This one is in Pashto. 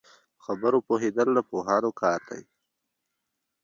په خبرو پوهېدل د پوهانو کار دی